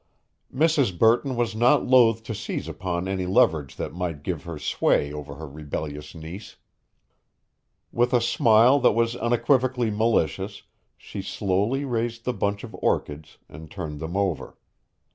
Mrs. Burton was not loath to seize upon any leverage that might give her sway over her rebellious niece. With a smile that was unequivocally malicious she slowly raised the bunch of orchids and turned them over.